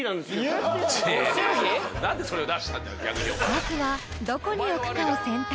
［まずはどこに置くかを選択］